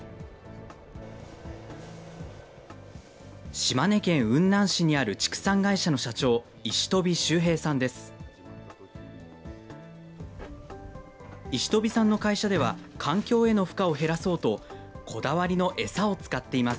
島根県雲南市にある畜産会社の社長、石飛修平さんです。